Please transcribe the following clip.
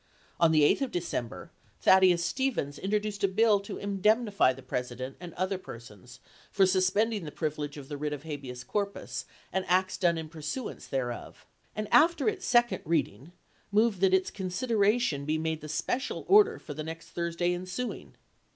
On the 8th of December, Thaddeus Stevens introduced a bill to indemnify the President, and other persons, for suspending the privilege of the writ of habeas corpus and acts done in pursuance thereof; and after its second reading moved that its consideration be made the special order for the next Thursday ensuing.